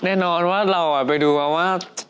แน่นอนว่าเราไปดูมาว่า